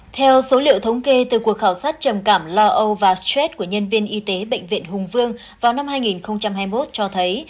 theo số liệu thống kê từ cuộc khảo sát trầm cảm lo âu và stress của nhân viên y tế bệnh viện hùng vương vào năm hai nghìn hai mươi một cho thấy